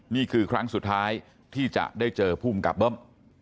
นี่คือครั้งสุดท้ายที่จะได้เจอภูมิกับเบิ้ม